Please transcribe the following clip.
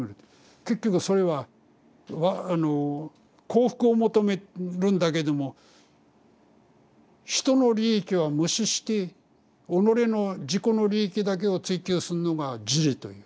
結局それは幸福を求めるんだけども人の利益は無視して己の自己の利益だけを追求すんのが「自利」と言う。